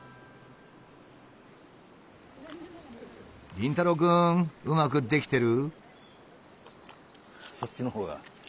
凛太郎くんうまくできてる？